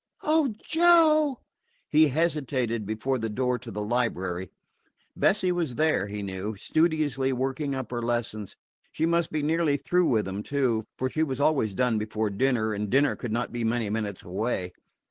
"Oh, Joe!" He hesitated before the door to the library. Bessie was there, he knew, studiously working up her lessons. She must be nearly through with them, too, for she was always done before dinner, and dinner could not be many minutes away.